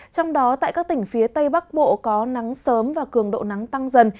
trong đó tại các tỉnh phía tây bắc bộ có nắng sớm và cường độ nắng tăng dần